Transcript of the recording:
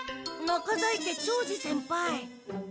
中在家長次先輩。